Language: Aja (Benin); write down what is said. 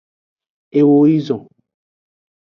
Eo yi zon.